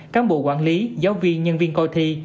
cán bộ quản lý giáo viên nhân viên coi thi